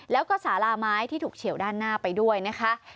แล้วก็สาลาไม้ที่ถูกเฉียวด้านหน้าไปด้วยนะคะ